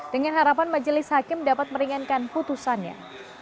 dengan harapan majelis hakim dapat meringankan putusannya